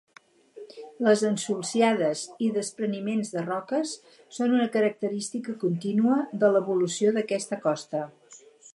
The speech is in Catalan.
Les ensulsiades i despreniments de roques són una característica contínua de l'evolució d'aquesta costa.